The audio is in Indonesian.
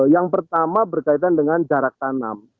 yang pertama berkaitan dengan jarak tanam